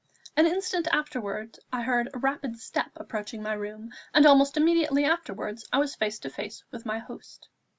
An instant afterwards I heard a rapid step approaching my room, and almost immediately afterwards I was face to face with my host.